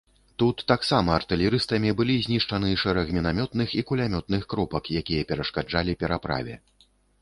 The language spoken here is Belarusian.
Тут таксама артылерыстамі былі знішчаны шэраг мінамётных і кулямётных кропак, якія перашкаджалі пераправе.